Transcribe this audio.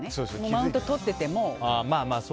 マウントをとってても。